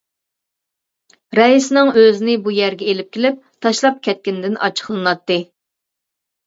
رەئىسنىڭ ئۆزىنى بۇ يەرگە ئېلىپ كېلىپ، تاشلاپ كەتكىنىدىن ئاچچىقلىناتتى.